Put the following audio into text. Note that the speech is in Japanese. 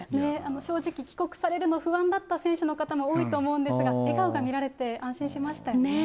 正直、帰国されるの、不安だった選手の方も多いと思うんですが、笑顔が見られて安心しましたよね。